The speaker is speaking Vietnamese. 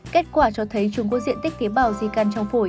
kết quả cho thấy chúng có diện tích tế bào di căn trong phổi